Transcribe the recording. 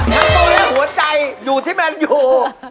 ทั้งตัวทั้งหัวใจอยู่ที่แมนอยู่